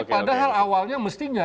padahal awalnya mestinya